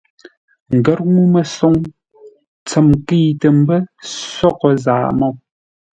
Ngər ŋuu-məsoŋ tsəm nkəitə́ mbə́ soghʼə Zaa-Môu.